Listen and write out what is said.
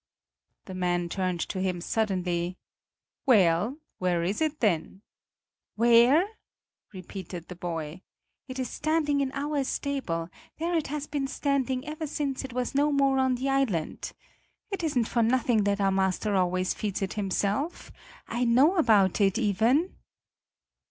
The man turned to him suddenly: "Well, where is it, then?" "Where?" repeated the boy emphatically. "It is standing in our stable; there it has been standing, ever since it was no more on the island. It isn't for nothing that our master always feeds it himself; I know about it, Iven."